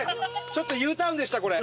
ちょっとＵターンでしたこれ。